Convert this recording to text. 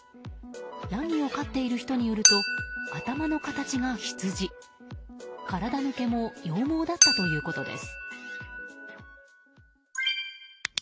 ヤギを飼っている人によると頭の形がヒツジ体の毛も羊毛だったということです。